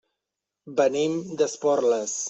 Venim d'Esporles.